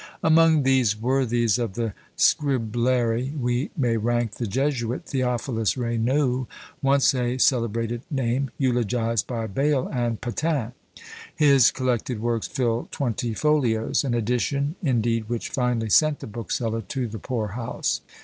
Among these worthies of the Scribleri we may rank the Jesuit, Theophilus Raynaud, once a celebrated name, eulogised by Bayle and Patin. His collected works fill twenty folios; an edition, indeed, which finally sent the bookseller to the poor house.